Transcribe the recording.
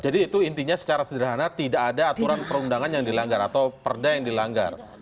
jadi itu intinya secara sederhana tidak ada aturan perundangan yang dilanggar atau perda yang dilanggar